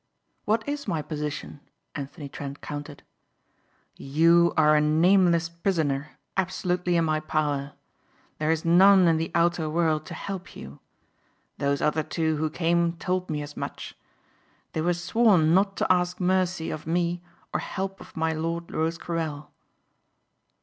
"What is my position?" Anthony Trent countered. "You are a nameless prisoner absolutely in my power. There is none in the outer world to help you. Those other two who came told me as much. They were sworn not to ask mercy of me or help of my lord Rosecarrel."